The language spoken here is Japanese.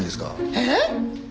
えっ！？